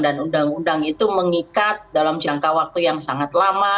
dan undang undang itu mengikat dalam jangka waktu yang sangat lama